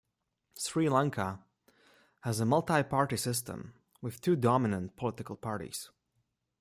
Sri Lanka has a multi party system, with two dominant political parties.